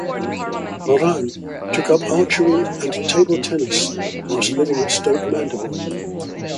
Horan took up archery and table tennis while living at Stoke Mandeville.